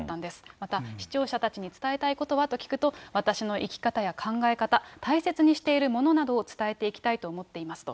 また、視聴者たちに伝えたいことは？と聞くと、私の生き方や考え方、大切にしているものなどを伝えていきたいと思っていますと。